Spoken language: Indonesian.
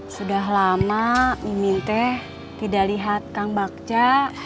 sudah lama ingin teh tidak lihat kang bakca